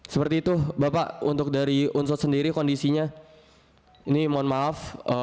seperti itu bapak untuk dari unsut sendiri kondisinya ini mohon maaf